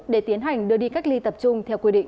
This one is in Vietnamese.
để tiến hành đưa đi cách ly tập trung theo quy định